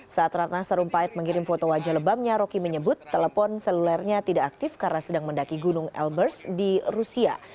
saat ratna sarumpait mengirim foto wajah lebamnya roky menyebut telepon selulernya tidak aktif karena sedang mendaki gunung elbers di rusia